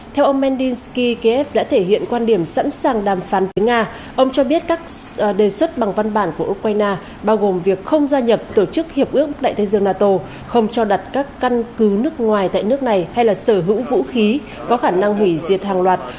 theo ông mendinsky kiev đã thể hiện quan điểm sẵn sàng đàm phán với nga ông cho biết các đề xuất bằng văn bản của ukraine bao gồm việc không gia nhập tổ chức hiệp ước đại tây dương nato không cho đặt các căn cứ nước ngoài tại nước này hay là sở hữu vũ khí có khả năng hủy diệt hàng loạt